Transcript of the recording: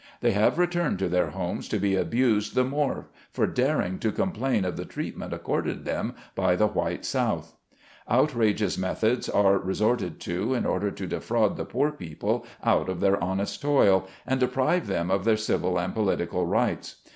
They have returned to their homes to be abused the more for daring to complain of the treatment accorded them by the white South. Outrageous methods are resorted to, in order to defraud the poor people out of their honest toil, and deprive them of their civil and political rights.